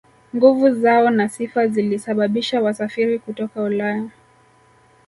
Nguvu zao na sifa zilisababisha wasafiri kutoka Ulaya